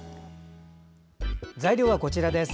材料はこちらです。